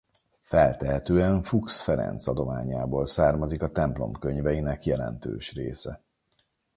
Feltehetően Fuchs Ferenc adományából származik a templom könyveinek jelentős része.